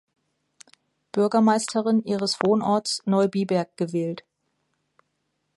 Bürgermeisterin ihres Wohnorts Neubiberg gewählt.